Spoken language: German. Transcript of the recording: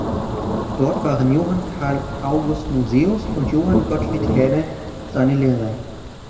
Dort waren Johann Karl August Musäus und Johann Gottfried Herder seine Lehrer.